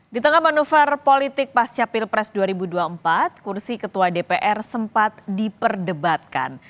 di tengah manuver politik pasca pilpres dua ribu dua puluh empat kursi ketua dpr sempat diperdebatkan